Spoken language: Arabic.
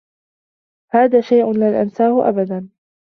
هذا شيء لن أنساه أبدا.